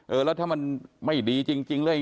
เออแล้วถ้ามันไม่ดีจริงเลย